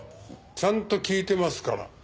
ちゃんと聞いてますから。